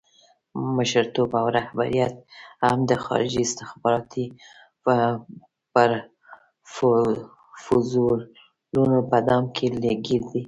مشرتوب او رهبریت هم د خارجي استخباراتي پروفوزلونو په دام کې ګیر دی.